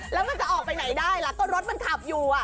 แล้วมันจะออกไปไหนได้ล่ะก็รถมันขับอยู่